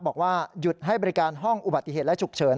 บอกว่าหยุดให้บริการห้องอุบัติเหตุและฉุกเฉิน